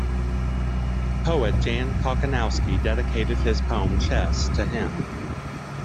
Poet Jan Kochanowski dedicated his poem "Chess" to him.